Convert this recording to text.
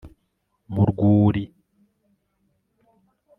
Mu rwuri